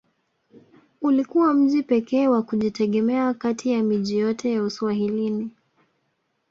Ulikuwa mji pekee wa kujitegemea kati ya miji yote ya Uswahilini